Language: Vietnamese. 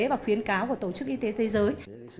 và khuyến cáo của tổ chức y tế thế giới